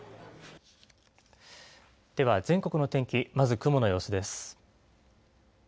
では全国の天気、まず雲の様子です。